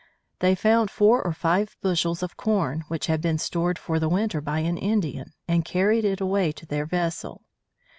They found four or five bushels of corn, which had been stored for the winter by an Indian, and carried it away to their vessel.